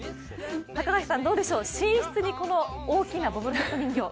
高橋さん、どうでしょう寝室に大きなボブルヘッド人形。